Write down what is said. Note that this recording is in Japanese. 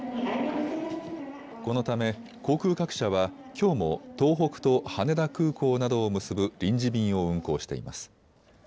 このため航空各社はきょうも東北と羽田空港などを結ぶ臨時便を運航しています。